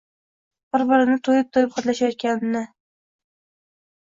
bir-birini to‘yib-to‘yib hidlashayotganini?